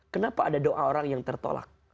kenapa ada doa orang yang tertolak